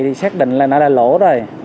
thì xác định là nó là lỗ rồi